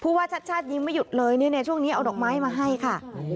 ว่าชัดชาติยิ้มไม่หยุดเลยช่วงนี้เอาดอกไม้มาให้ค่ะ